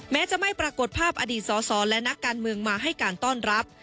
แม้จะไม่ปรากฏภาพอดีตสอสอและนักการเมืองมาให้การต้อนรับ